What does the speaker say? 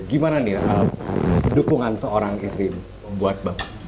gimana nih dukungan seorang istri membuat bapak